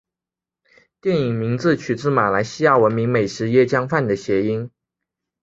电影名字取自马来西亚闻名美食椰浆饭的谐音。